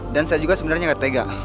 dan saya juga sebenarnya gak tega